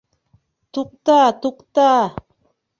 Туҡта, туҡта!